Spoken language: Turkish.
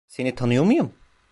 Seni tanıyor muyum?